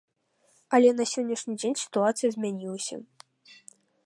Але на сённяшні дзень сітуацыя змянілася.